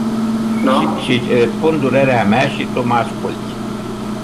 Iti spun durerea mea si tu ma asculti.